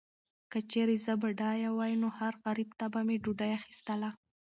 که چیرې زه بډایه وای، نو هر غریب ته به مې ډوډۍ اخیستله.